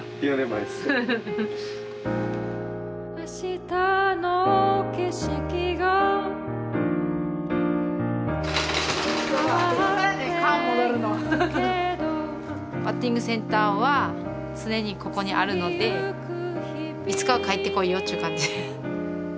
バッティングセンターは常にここにあるのでいつかは帰ってこいよっちゅう感じ。